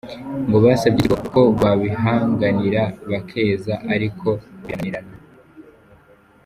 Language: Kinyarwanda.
Ngo basabye ikigo ko babihanganira bakeza ariko birananirana.